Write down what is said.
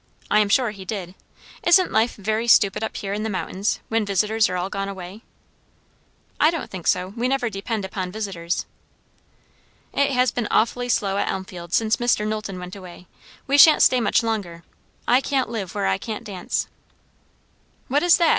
"I am sure he did. Isn't life very stupid up here in the mountains, when visitors are all gone away?" "I don't think so. We never depend upon visitors." "It has been awfully slow at Elmfield since Mr. Knowlton went away. We sha'n't stay much longer. I can't live where I can't dance." "What is that?"